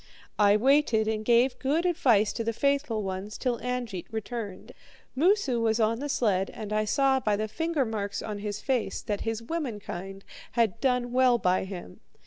"I waited and gave good advice to the faithful ones till Angeit returned. Moosu was on the sled, and I saw by the fingermarks on his face that his womankind had done well by him.